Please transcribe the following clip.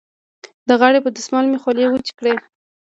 د غاړې په دستمال مې خولې وچې کړې.